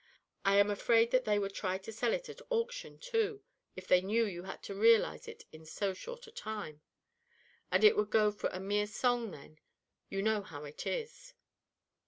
I am afraid that they would try to sell it at auction, too, if they knew you had to realize on it in so short a time, and it would go for a mere song then; you know how it is."